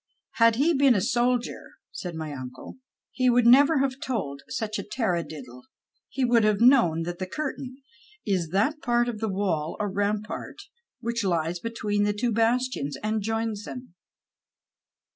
" Had he been a soldier," said my imcle, " he would never have told such a taradiddle. He would have kno^vn that the curtain is that part of the wall or rampart which lies between the two bastions, and joins them."